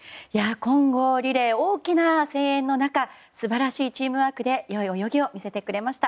混合リレー、大きな声援の中素晴らしいチームワークで良い泳ぎを見せてくれました。